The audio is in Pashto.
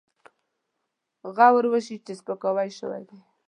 غور وشي چې سپکاوی شوی دی.